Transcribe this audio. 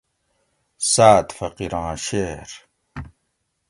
سعد فقیراں شعر